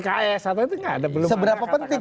saya satu itu nggak ada seberapa penting